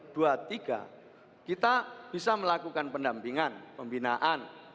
dua tiga kita bisa melakukan pendampingan pembinaan